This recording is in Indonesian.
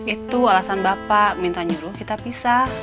itu alasan bapak minta nyuruh kita pisah